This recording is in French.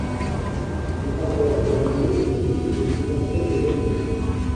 La paroisse d'Anlier est l'une des plus anciennes de Belgique.